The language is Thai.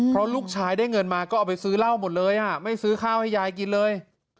เพราะลูกชายได้เงินมาก็เอาไปซื้อเหล้าหมดเลยไม่ซื้อข้าวให้ยายกินเลย